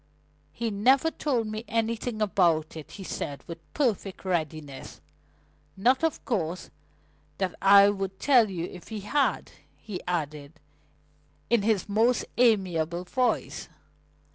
"He never told me anything about it," he said with perfect readiness. "Not, of course, that I would tell you if he had," he added, in his most amiable voice.